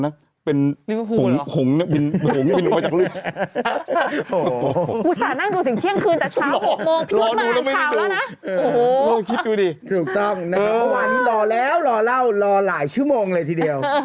ถูกต้องนะครับเมื่อวานนี้รอแล้วรอเล่ารอหลายชั่วโมงเลยทีเดียว